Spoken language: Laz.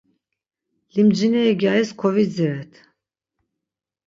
Limcineri gyaris kovidziret.